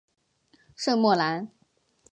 圣莫兰。